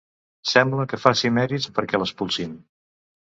Sembla que faci mèrits perquè l'expulsin.